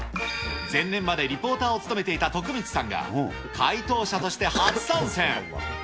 前年までリポーターを務めていた徳光さんが、解答者として初参戦。